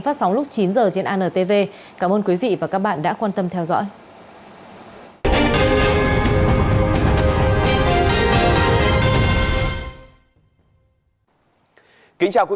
phát sóng lúc chín h trên ann